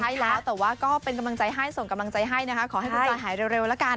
ใช่แล้วแต่ว่าก็เป็นกำลังใจให้ส่งกำลังใจให้นะคะขอให้คุณเจหายเร็วละกัน